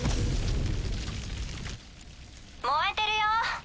燃えてるよ。